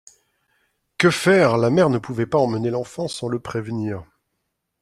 Que faire ? La mère ne pouvait pas emmener l'enfant sans le prévenir.